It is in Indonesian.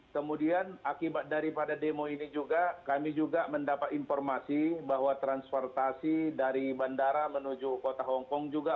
kemudian akibat daripada demo ini juga kami juga mendapat informasi bahwa transportasi dari bandara menuju kota hongkong juga